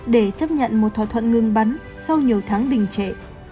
để chấp nhận một thỏa thuận ngừng bắn sau nhiều tháng đình trệ